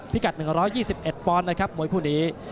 กัด๑๒๑ปอนด์นะครับมวยคู่นี้